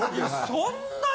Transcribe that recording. そんなに！？